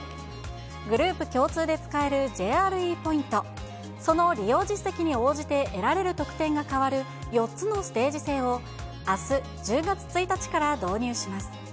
グループ共通で使えるＪＲＥＰＯＩＮＴ、その利用実績に応じて得られる特典が変わる４つのステージ制を、あす、１０月１日から導入します。